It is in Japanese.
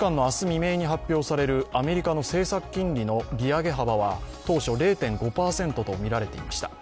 未明に発表されるアメリカの政策金利の利上げ幅は、当初０．５％とみられていました。